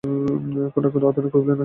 পূর্ণাঙ্গ আধুনিক প্যাভিলিয়ন রয়েছে।